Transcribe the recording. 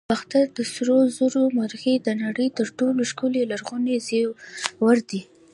د باختر د سرو زرو مرغۍ د نړۍ تر ټولو ښکلي لرغوني زیور دی